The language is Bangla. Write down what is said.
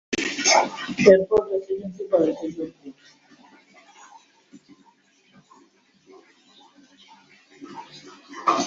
এর পর প্রেসিডেন্সি কলেজে যোগ দেন।